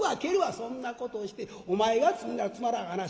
「そんなことをしてお前が罪ならつまらん話。